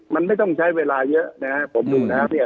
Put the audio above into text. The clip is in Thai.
มันไม่ต้องใช้เวลาเยอะนะครับผมดูนะครับเนี่ย